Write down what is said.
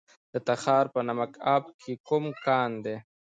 د تخار په نمک اب کې کوم کان دی؟